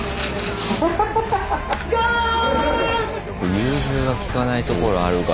融通が利かないところあるから。